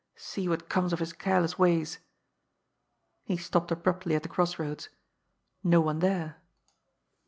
See what comes of his careless ways !" He stopped abruptly at the cross roads. No one there.